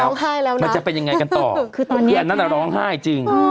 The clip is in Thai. แล้วนะมันจะเป็นยังไงกันต่อคือตอนที่อันนั้นน่ะร้องไห้จริง